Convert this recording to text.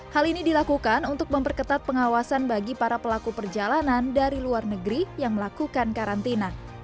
hal ini dilakukan untuk memperketat pengawasan bagi para pelaku perjalanan dari luar negeri yang melakukan karantina